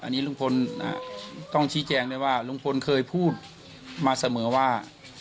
อันนี้ลุงพลต้องชี้แจงด้วยว่าลุงพลเคยพูดมาเสมอว่า